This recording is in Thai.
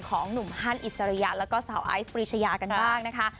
ของหนุ่มฮันอิสริยะแล้วก็สาวไอซ์ปรีชยากันบ้างนะคะ